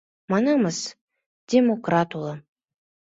Манамыс, демократ улам.